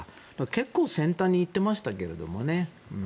結構先端にいっていましたけどね。